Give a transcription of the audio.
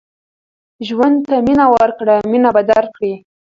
ژوند ته مینه ورکړه مینه به درکړي